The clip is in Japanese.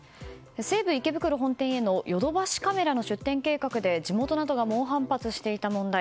西武池袋本店へのヨドバシカメラの出店計画で地元などが猛反発していた問題。